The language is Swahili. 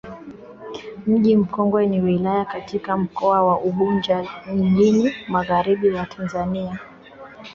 Mji Mkongwe ni wilaya katika Mkoa wa Unguja Mjini Magharibi wa Tanzania